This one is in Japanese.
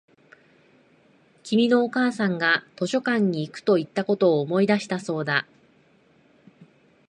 君のお母さんが図書館に行くと言ったことを思い出したそうだ